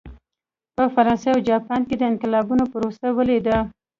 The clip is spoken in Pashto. په فرانسه او جاپان کې د انقلابونو پروسه ولیده.